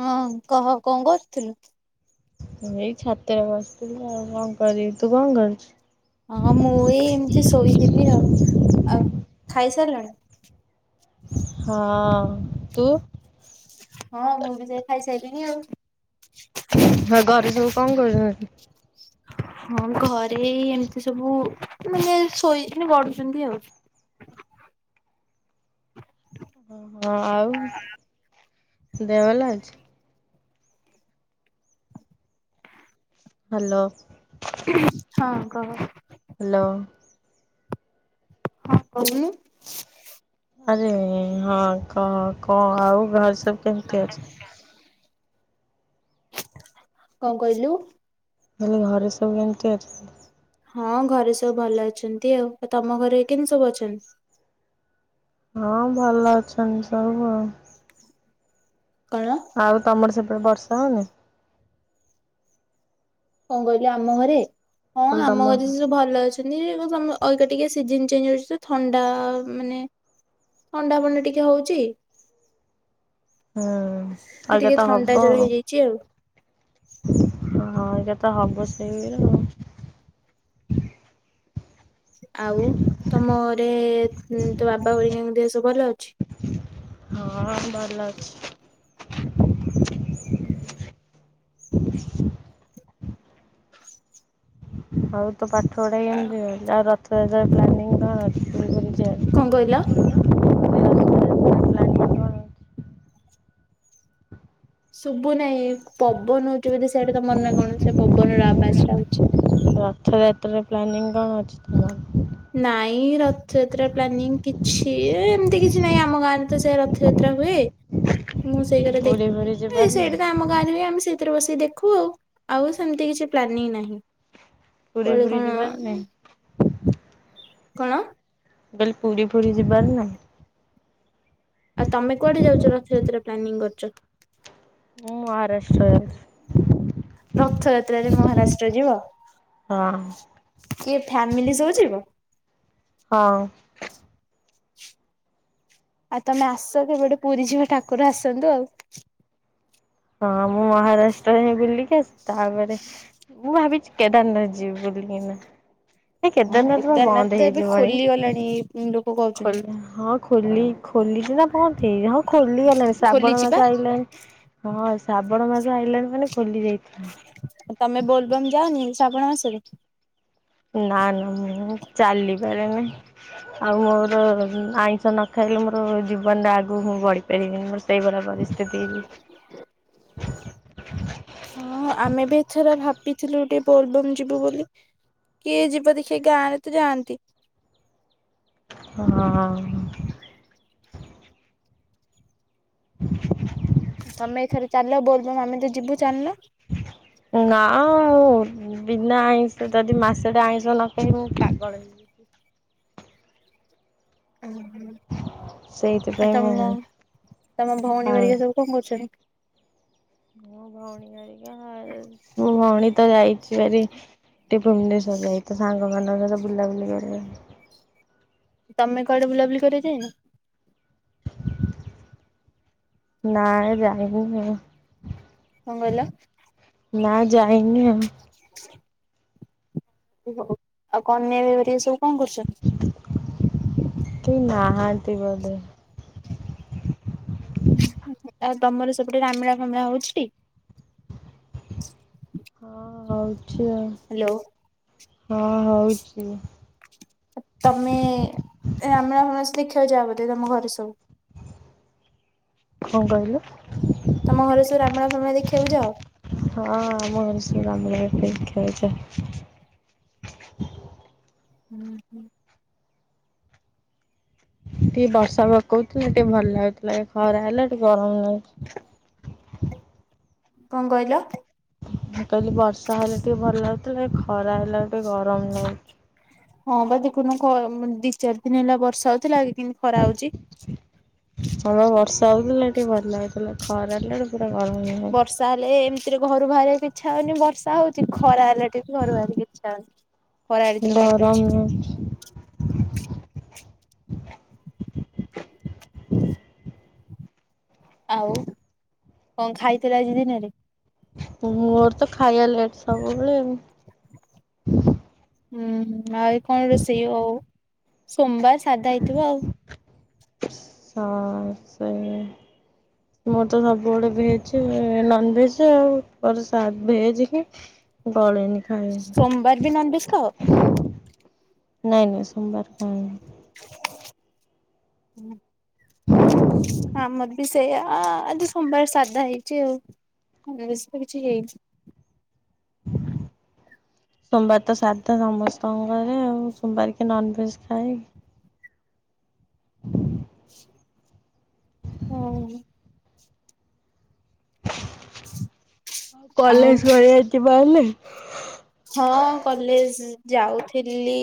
ହଁ କହ କଣ କରୁଥିଲୁ? ଏଇ ଛାତରେ ବସିଥିଲି ଆଉ କଣ କରିବି ତୁ କଣ କରୁଛୁ? ହଁ ମୁଁ ଏଇ ଏମିତି ଶୋଇଥିଲି ଆଉ ଆଉ ଖାଇସାରିଲଣି। ହଁ ତୁ ହଁ ମୁଁ ବି ଯାଇ ଖାଇସାଇଲିଣି ଆଉ। ହଁ ଘରେ ସବୁ କଣ କରୁଛନ୍ତି? ହଁ ଘରେ ଏମିତି ସବୁ ମାନେ ଶୋଇକିନି ଗଢୁଚନ୍ତି ଆଉ। ଓହୋ ଆଉ ଦେହ ଭଲ ଅଛି। ହ୍ୟାଲୋ ହଁ କହ। ହ୍ୟାଲୋ ହଁ କହୁନୁ। ଆରେ ହଁ କ କଣ ଆଉ ଘରେ ସବୁ କେମିତି ଅଛ। କଣ କହିଲୁ? ମୁଁ କହିଲି ଘରେ ସବୁ କେମିତି ଅଛ। ହଁ ଘରେ ସବୁ ଭଲ ଅଛନ୍ତି ଆଉ। ଆଉ ତମ ଘରେ କେମିତି ସବୁ ଅଛନ୍ତି। ହଁ ଭଲ ଅଛନ୍ତି ସବୁ ଆଉ। କଣ ଆଉ ତମର ସେପଟେ ବର୍ଷା ହଉନି। କଣ କହିଲି ଆମ ଘରେ। ହଁ କହିଲି ଆମ ତମ ଘରେ ସେ ସବୁ ଭଲ ଅଛ୍ ଅଛନ୍ତି ଏରା ସମ ଅଲଗା ଟିକେ ସିଜନ୍ ଚେଞ୍ଜ ହଉଛି ତ ଥଣ୍ଡା ମାନେ ଥଣ୍ଡା ମଣ୍ଡା ଟିକେ ହଉଛି। ହୁଁ ଅଇକା ଟିକେ ତ ଥଣ୍ଡା ହବ ଜର ଆଉ। ହେଇଯାଇଛି ଆଉ। ହଁ ଏଇଟା ତ ହବ ସେଇରା। ଆଉ ତମରେ ତୋ ବାବା ହରିକାଙ୍କ ଦେହ ସବୁ ଭଲ ଅଛି? ହଁ ଭଲ ଅଛି। ହୁଁ। ହଉ ତୋ ପାଠ ପଢା କେମିତି ଆଉ ରଥଯାତ୍ରା ପ୍ଲାନିଂ କଣ ଅଛି ବୁଲି [unintelligible] କଣ କହିଲ? ପ୍ଲାନିଂ କ'ଣ ଅଛି ଶୁଭୁ ନାହିଁ ପବନ ହଉଛି ବୋଲିି ସେଇଟା ତମର ନା କଣ ସେ ପବନର ଆବାଜଟା ହଉଛି। ରଥଯାତ୍ରାରେ ପ୍ଲାନିଂ କଣ ଅଛି ତମର? ନାଇଁ ରଥଯାତ୍ରା ପ୍ଲାନିଂ କିଛି ଏମିତି କିଛି ନାଇଁ ଆମ ଗାଁରେ ତ ସେ ରଥ ଯାତ୍ରା ହୁଏ ମୁଁ ସେଇରା ଦେ ପୁରୀ ଫୁରୀ ଏ ଯିବାର ନାହିଁ ସେଇଟା ତ ଆମ ଗାଁରେ ଆମେ ସେ ତରେ ବସି ଦେଖୁ ଆଉ ଆଉ ସେମିତି କିଛି ପ୍ଲାନିଂ ନାହିଁ। ପୁରୀ କୁଆଡେ ଫୁରି କଣ ଯିବାର ନାଇଁ? କଣ? କଲି ପୁରୀ ଫୁରି ଯିବାର ନାଇଁ? ଆଉ ତମେ କୁଆଡେ ଯାଉଛ ରଥଯାତ୍ରା ପ୍ଲାନିଂ କରିଛ? ମୁଁ ମହାରାଷ୍ଟ୍ର ଯାଉଛି। ରଥଯାତ୍ରାରେ ମହାରାଷ୍ଟ୍ର ଯିବ ହଁ କିଏ ଫ୍ୟାମିଲି ସବୁ ଯିବ? ହଁ। ଆଉ ତମେ ଆସ କେ ଗୋଟେ ପୁରୀ ଯିବା ଠାକୁର ଆସନ୍ତୁ ଆଉ। ହଁ ମୁଁ ମହାରାଷ୍ଟ୍ର ହିଁ ବୁଲିକି ଆସି ତାପରେ ମୁଁ ଭାବିଛି କେଦାରନାଥ ଯିବି ବୁଲି [unintelligible] ଏ କେଦାରନାଥର କେଦାରନାଥ ବନ୍ଦ ତ ଏବେ ହେଇଯିବଣି ଖୋଲିଗଲାଣି ଲୋକ ଖୋ କହୁଛନ୍ତି ହଁ ଖୋଲି ଖୋଲିଛି ନା କଣ ହେଇ ହଁ ଖୋଲିଗଲାଣି ଶ୍ରାବଣ ଖୋଲିଛି ପା। ମାସ ଆଇଲାଣି ହଁ ଶ୍ରାବଣ ମାସ ଆଇଲାନି ମାନେ ଖୋଲି ଯାଇଥି ତମେ ବୋଲବମ ଯାଅନିି ଶ୍ରାବଣ ମାସରେ? ନା ନା ମୁ ଚାଲିପାରେନି। ଆଉ ମୋର ଆଇଁଷ ନ ଖାଇଲେ ମୋର ଜୀବନରେ ଆଗକୁ ମୁଁ ବଢି ପାରିବିନି ମୋ ସେଇଭଳିଆ ପରିସ୍ଥିତିରେ। ହ ହଁ ଆମେ ବି ଏଥର ଭାବିଥିଲୁ ଟିକେ ବୋଲବମ୍ ଯିବୁ ବୋଲି କିଏ ଯିବ ଦେଖି ଗାଁରେ ତ ଯାଆନ୍ତି ହଁ। ହଁ ତମେ ଏଥରେ ଚାଲ ବୋଲବମ ଆମେ ତ ଯିବୁ ଚାଲିଲ। ନା। ବିନା ଆଇଁଷ ଯଦି ମାସଟେ ଆଇଁଷ ନଖାଇବି ମୁଁ ପାଗଳ। ଓହୋ ଆଉ ସେଇଥିପାଇଁ ମୁଁ ତମ ତମ ଭଉଣୀ ଖାଉନି। ଭାରିକା ସବୁ କଣ କରୁଛନ୍ତି? ମୋ ଭଉଣୀ ହେରିକା ମୋ ଭଉଣୀ ତ ଯାଇଛି ଭାରି ଟିକେ ଭୁବନେଶ୍ୱର ଯାଇଛି ତା ସାଙ୍ଗ ମାନଙ୍କ ସହ ବୁଲାବୁଲି କରିବା ତମେ କୁଆଡେ ବୁଲାବୁଲି କରିବାକୁ ଯାଇନ? ନାଇ ଯାଇନି ମୁଁ। କଣ କହିଲ? ନା ଯାଇନି ଆଉ। ହ ଆଉ କନ୍ୟାର ହରିକ ସବୁ କଣ କରୁଛନ୍ତି? କେହି ନାହାନ୍ତି ବୋଧେ? ଆଉ ତମର ସେପଟେ ରାମିଳା ଫାମିଳା ହଉଛିି ଟି? ହଁ ହଉଛି ଆଉ ହ୍ୟାଲୋ। ହଁ ହଉଛି। ତମେ ରାମୀଳା ଫାମିଳା ସବ୍ ଦେଖିବାକୁ ଯାଅ ବୋଧେ ତମ ଘରେ ସବୁ? କ କହିଲୁ? ତମ ଘରେ ସବୁ ରମିଲା ଫାମିଲା ଦେଖିବାକୁ ଯାଅ? ହଁ ଆମ ଘରେ ସବୁ ଦେଖିବାକୁ ଦେଖିବାକୁ ଯାଉ [unintelligible] ହୁଁ ହୁଁ। ଟିକେ ବର୍ଷା ପକାଉଥିଲେ ଟିକେ ଭଲ ଲାଗୁଥିଲା ଏବେ ଖରା ହେଲା ଟିକେ ଗରମ କ କହିଲ? ମୁଁ କହିଲି ବର୍ଷା ହେଲେ ଟିକେ ଭଲ ଲାଗୁଥିଲା ଖରା ହେଲା ଟିକେ ଗରମ ଲା ହଁ ବା ଦେଖୁନୁ ଖ ମାନେ ଦି ଚାରି ଦିନ ହେଲା ବର୍ଷା ହଉଥିଲା କେମିତି ଖରା ହଉଛି। ଭଲ ବର୍ଷହଉଥିଲା ଟିକେ ଭଲଲାଗୁଥିଲା ଖରା ହେଲାବେଳକୁ ପୁରା ଗରମ ଲାଗୁଛି। ତାହେଲେ ଏମତିରେ ଘରୁ ବାହାରିବାକୁ ଇଚ୍ଛା ହଉନି ବର୍ଷା ହଉଛି ଖରା ହେଲେ ଟିକେ ଘରୁ ବାହାରିବାକୁ ଇଚ୍ଛା ହଉନି। ଖରା [unintelligible] କାଟୁଛି। ଗରମ ଆଉ କଣ ଖାଇଥିଲ ଆଜି ଦିନରେ? ମୋର ତ ଖାଇବା ଲେଟ ସବୁବେଳେ ଆଉ। ହୁଁ ହୁଁ ଆଉ କଣ ରୋଷେଇ ଅଉ ସୋମବାର ସାଧା ହେଇଥିବ ଆଉ। ହଁ ସେଇଆ। ମୋର ତ ସବୁବେଳେ ଭେଜ ନନଭେଜ ଆଉ ମୋର ସା ଭେଜ ହିଁ। ଗଳେନି। ଖଇବା ସୋମବାର ବି ନନଭେଜ ଖାଅ? ନାଇଁ ନାଇଁ ସୋମବାର ଖାଏନି। ହୁଁ। ହ ଆମର ବି ସେଇଆ ଆଜି ସୋମବାର ସାଧା ହେଇଛି ଆଉ ଆଉ ବେଶି କିଛିତ ହେଇନି। ସୋମବାର ତ ସାଧା ସମସ୍ତଙ୍କ ଘରେ ଆଉ ସୋମବାରେ କିଏ ନନଭେଜ ଖାଏକି? [unintelligible] ଆଉ କଲେଜ [unintelligible] ହଁ କଲେଜ ଯାଉଥିଲି।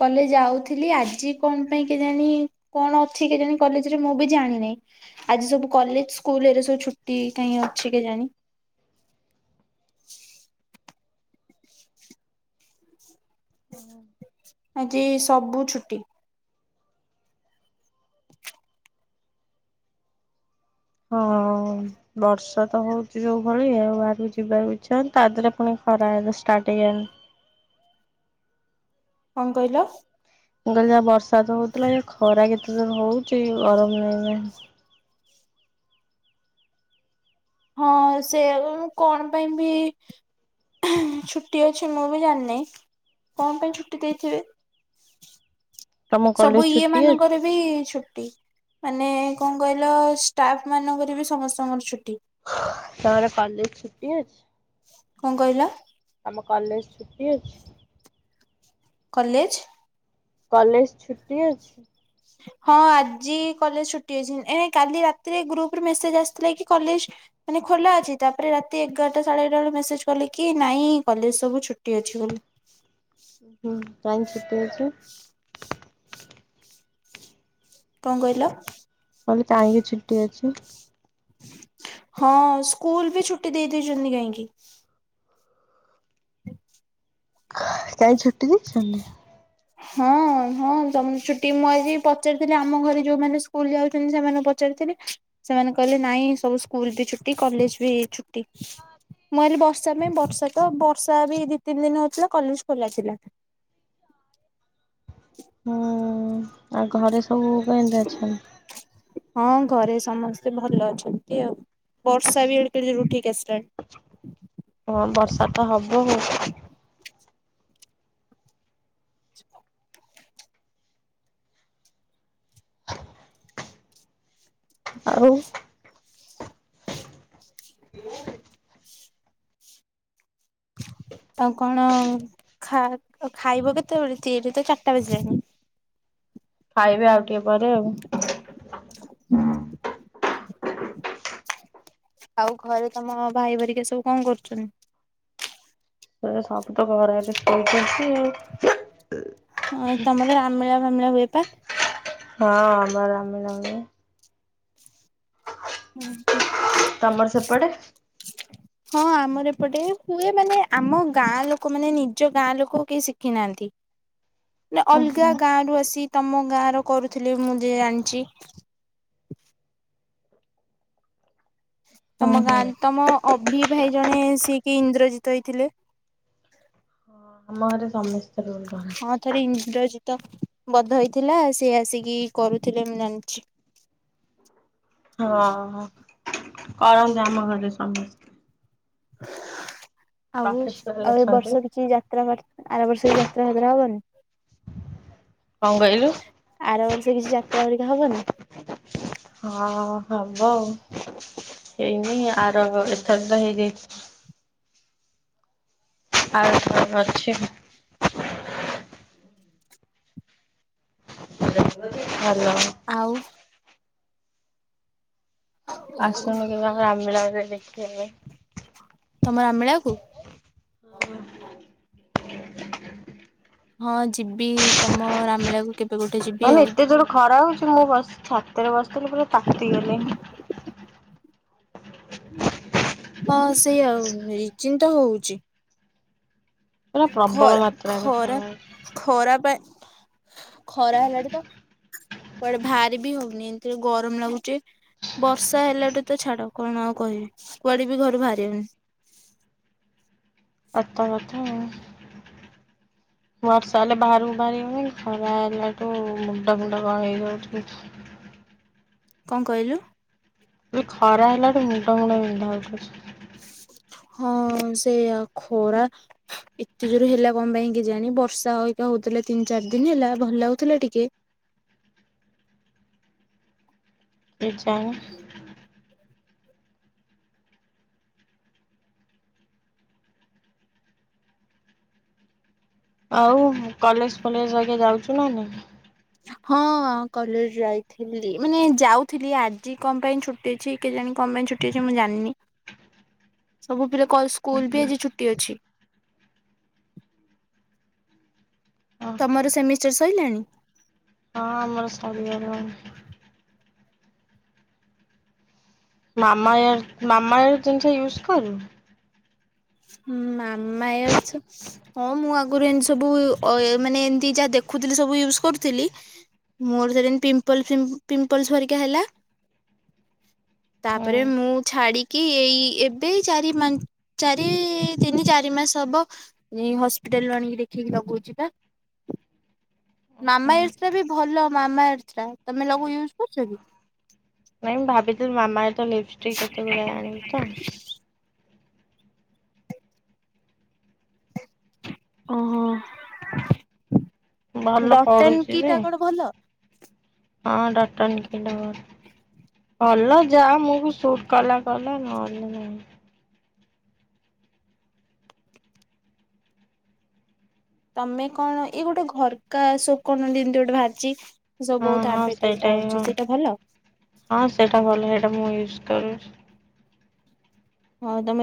କଲେଜ ଯାଉଥିଲି ଆଜି କଣ ପାଇଁ କେଜାଣି? କଣ ଅଛି କେଜାଣି କଲେଜରେ ମୁଁ ବି ଜାଣିିନାହିଁ। ଆଜି ସବୁ କଲେଜ ସ୍କୁଲ ହେରାସବୁ ଛୁଟି କାହିଁ ଅଛି କେଜାଣି? ହଁ ହଁ। ଆଜି ସବୁ ଛୁଟି। ହଁ ହଁ ଅ ବର୍ଷା ତ ହଉଛି ଯୋଉ ଭଳିଆ ଆଉ ବାହାରକୁ ଯିବାକୁ ଇଚ୍ଛା ତା ଧିରେ ପୁଣି ଖରା ହେ ଷ୍ଟାର୍ଟ ହେଇ କ କହିଲ? ମୁଁ କହିଲି ଯାହା ବର୍ଷା ତ ହଉଥିଲା। ଏ ଖରା କେତେ ଜୋର ହଉଛି ଗରମ ଲାଗିଲାଇଁ। ହଁ ସେୟା ବା। କଣ ପାଇଁ ବି ଆଁ ହା। ଛୁଟି ଅଛି ମୁଁ ବି ଜାଣିନାହିଁ। କଣ ପାଇଁ ଛୁଟି ଦେଇଥିବେ? ତମ ସବୁ କଲେଜ ଇଏ ଛୁଟି ଅଛି ମାନଙ୍କରେ ବି ଛୁଟି। ମାନେ କଣ କହିଲ? ଷ୍ଟାଫ ମାନଙ୍କର ବି ସମସ୍ତଙ୍କର ଛୁଟି। ତମର କଲେଜ ଛୁଟି ଅଛି? କଣ କହିଲ? ତମ କଲେଜ ଛୁଟି ଅଛି? କଲେଜ? କଲେଜ ଛୁଟି ଅଛି? ସେ ହଁ ଆଜି କଲେଜ ଛୁଟି ଅଛି। ଏ କାଲି ରାତିରେ ଗ୍ରୁପରେ ମେସେଜ ଆସିଥିଲା କି କଲେଜ ମାନେ ଖୋଲା ଅଛି। ତାପରେ ରାତି ଏଗାରଟା ସାଢ଼େ ଏଗାରା ବେଳେ ମେସେଜ କଲେ କି ନାଇଁ କଲେଜ ସବୁ ଛୁଟି ଅଛି ବୋଲି। ହୁଁ, କାଇଁ ଛୁଟି ଅଛି? କଣ କହିଲ? ମୁଁ କହିଲି, କାହିଁକି ଛୁଟି ଅଛି? ହଁ ସ୍କୁଲ ବି ଛୁଟି ଦେଇଦେଇଛନ୍ତି କାହିଁକି? କାଇଁ ଛୁଟି ଦେଇଛନ୍ତି? ହଁ ହଁ ତମ ଛୁଟି, ମୁଁ ଆଜି ପଚାରିଥିଲି, ଆମ ଘରେ ଯୋଉମାନେ ସ୍କୁଲ ଯାଉଛନ୍ତି, ସେମାନଙ୍କୁ ପଚାରିଥିଲି। ସେମାନେ କହିଲେ ନାଇଁ ସବୁ ସ୍କୁଲ ବି ଛୁଟି କଲେଜ ବି ଛୁଟି। ମୁଁ ଭାବିଲି ବର୍ଷା ପାଇଁ। ବର୍ଷା ତ ବର୍ଷା ବି ଦି ତିନି ଦିନି ହଉଥିଲା କଲେଜ ଖୋଲା ଥିଲା। କି ହୁଁ ଆଉ ଘରେ ସବୁ କେମିତି ଅଛନ୍ତି? ହଁ ଘରେ ସମସ୍ତେ ଭଲ ଅଛନ୍ତି ଆଉ। ବର୍ଷା ବି ଏଡେ କେଡେ ଜୋରେ ଉଠେଇକି ଆସିଲାଣି। ହଁ ବର୍ଷା ତ ହବ ଆଉ। ଆଉ। ହଁ [unintelligible] ଆଉ କଣ ଖା ଖାଇବ କେତେବେଳେ? [unintelligible] ତ ଚାରିଟା ବାଜିଲାଣି। ଖାଇବେ ଆଉ ଟିକେ ପରେ ଆଉ। ଆଉ ଘରେ ତମ ଭାଇ ଭରିକା ସବୁ କଣ କରୁଛନ୍ତି? ସେ ସବୁ ତ ଘରେ ହେଲେ ଶୋଇଛନ୍ତି ଆଉ। ହଁ ତମର ଆମିଳା ଫାମିଳା ହୁଏ ପା। ହଁ ଆମର ଆମିଳା ହୁଏ। ହୁଁ ହୁଁ। ତମର ସେପଟେ? ହ ହଁ ଆମର ଏପଟେ ହୁଏ। ମାନେ ଆମ ଗାଁ ଲୋକ, ମାନେ ନିଜ ଗାଁ ଲୋକ କେହି ଶିଖି ନାହାନ୍ତି। ନା ଉଁ ଅଲଗା ହୁଁ ଗାଁ ରୁ ଆସି, ତମ ଗାଁ ର କରୁଥିଲେ ମୁଁ ଯେ ଜାଣିଛି। ହୁଁ ତମ ଗାଁ ହୁଁ। ତମ ଅଭି ଭାଇ ଜଣେ ସିଏ କିି ଇନ୍ଦ୍ରଜିତ ହେଇଥିଲେ। ଆମ ଘରେ ସମସ୍ତେ। ରୋଲ ହଁ କରନ୍ତି। ଥରେ ଇନ୍ଦ୍ରଜିତ ବଧ ହେଇଥିଲା। ସେ ଆସିକି କରୁଥିଲେ ମୁଁ ଜାଣିଛି। ହଁ କରନ୍ତୁ ଆମ ଘରେ ସମସ୍ତେ। ଆଉ, ପ୍ରଫେସନାଲ ଆଉ ଏ ଅଛନ୍ତି। ବର୍ଷ କିଛି ଯା ବ ଆର ବର୍ଷ ଯାତ୍ରା ଭାତ୍ରା ହବନି? କଣ କହିଲୁ? ଆର ବର୍ଷ କିଛି ଯାତ୍ରା ପରିକା ହବନି? ହଁ ହବ ଆଉ। ହେଇନି ଆର ଏଥର ତ ହେଇଯାଇଛି। ଆରଥର ଅଛି। ଭଲ। ଆଉ ଆସୁନୁ କେବେ ଆମ ରାମବେଳାରେ ଦେଖିବା। ତମ ଅମିଳା କୁ। ହଁ। ହଁ ଯିବି। ତମ ରାମିଳାକୁ କେବେ ଗୋଟେ ଯି ମାନେ ଏତେ ଜୋର ଖରା ହଉଛି ମୁଁ ବ ଛାତରେ ବସିଥିଲି ପୁରା ତାତି ଗଲି। ହଁ ସେଇ ଆଉ ରିଜିନ୍ ତ ହଉଛି। ପୁରା ପ୍ରବଳ ଖରା ମାତ୍ରାରେ ଖରା ହଉଛି ଖରା ପାଇଁ ଖରା ହେଲାଣି ତ କୁଆଡ଼େ ଭାରି ବି ହଉନି ଏମତି ଗରମ ଲାଗୁଚି ବର୍ଷା ହେଲାଠୁ ତ ଛାଡ଼ କଣ ଆଉ କହିବି କୁଆଡ଼େ ବି ଘରୁ ବାହାରି ହଉନି। ଅତ କଥା ଆଉ। [inaudible] ବର୍ଷା ହେଲେ ବାହହାରକୁ ବାହାରିିବନି ଖରା ହେଲାଠୁ ମୁଣ୍ଡ ମୁୁଣ୍ଡ କଣ ହେଇଯାଉଛି। କଣ କହିଲୁ? ଏ ଖରା ହେଇଲାଠୁ ମୁଣ୍ଡା ଗୁଣ୍ଡେ ବିନ୍ଧା ହଉଛି ବେସି। ହଁ ସେୟା ଖରା ଏତେ ଜୋର ହେଲା କଣ ପାଇଁ କିଜାଣି? ବର୍ଷା ହଇକା ହଉଥିଲା ତିନି ଚାରି ଦିନ ହେଲା ଭଲ ଲାଗୁଥିଲା ଟିକେ। ଏ ଚା ଆଉ କଲେଜ ଫଲେଜ ବାଗେ ଯାଉଛୁ ନା ନାଇ? ହଁ କଲେଜ ଯାଇଥିଲି ମାନେ ଯାଉଥିଲି। ଆଜି କଣ ପାଇଁ ଛୁଟି? ଛ ଅଛି କି ଜାଣ କଣ ପାଇଁ ଛୁଟି ଅଛି ମୁଁ ଜାଣିନି। ସବୁ ପିଲା କ ସ୍କୁ ସ୍କୁଲ ବି ଆଜି ଛୁଟି ଅଛି। ହଁ ହଁ ତମର ସେମିଷ୍ଟାର ସଇଲାଣି? ହଁ ଆମର ସରିଗଲାଣି। ମାମାୟାର ମାମାୟାର ଜିନିଷା ୟୁଜ କରୁ? ହୁଁ ମାମାୟର ସୁ ହଁ ମୁଁ ଆଗରୁ ଏତି ସବୁ ମାନେ ଏମତି ଯାହା ଦେଖୁଥିଲି ସବୁ ୟୁଜ କରୁଥିଲି। ମୋର ସେଦିନ ପିମ୍ପଲ ପିମ୍ପଲ ଭରିକା ହେଲା। ହୁଁ ତାପରେ ମୁଁ ଛାଡି଼କି ଏଇ ଏବେ ଚାରି ପାଞ୍ଚ ଚାରି ତିନି ଚାରି ମାସ ହବ ହସ୍ପିଟାଲ ରୁ ଆଣିକି ଦେଖିକି ଲଗଉଛି ବା। ହୁଁ ମାମାୟର୍ଥ ଟା ବି ଭଲ ମାମାୟର୍ଥ ଟା। ତମେ ଲଗୁ ୟୁଜ୍ କରୁଛ କି? ନାଇଁ ମୁଁ ଭାବିଥିଲି ମାମା ତ ଲିପଷ୍ଟିକ୍ କେତେ ଗୁଡ଼ାଏ ଆଣିବି ତ। ଓହୋ। ଭଲ ଡଟନ ପଡୁଛି କି ଯେ ଟା କଣ ଭଲ? ହଁ ଡକ୍ଟର ନିଖିଲ ଟା ଭଲ। [inaudible] ଭଲ ଯା ମୁଁ ବି ସୁଟ୍ କଲା କଲା ନହେଲେ ନାଇଁ। ତମେ କଣ ଏଇ ଗୋଟେ ଘରକା ଶୋକଣ ଦୁ ଗୋଟେ ଭାରିଛି ସବୁ ହଁ ବହୁତ ହଁ ସେଇଟା ହିଁ ଆଡେଭାଟାଇଜି ସେଇଟା ଭଲ ହଁ ସେଇଟା ଭଲ ସେଇଟା ମୁଁ ୟୁଜ କରୁଛି ଆଉ ତମେ